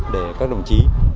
để các đồng chí